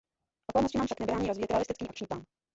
Okolnosti nám však nebrání rozvíjet realistický akční plán.